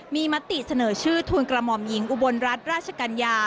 มีมติเสนอชื่อทุนกระหม่อมหญิงอุบลรัฐราชกัญญา